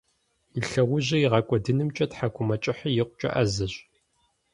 И лъэужьыр игъэкIуэдынымкIэ тхьэкIумэкIыхьыр икъукIэ Iэзэщ.